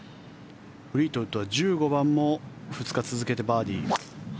フリートウッドは１５番も２日続けてバーディー。